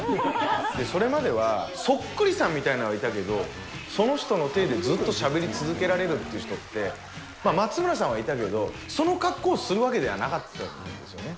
それまでは、そっくりさんみたいなのはいたけど、その人のていでずっとしゃべり続けられる人って、松村さんはいたけど、その格好をするわけではなかったんですよね。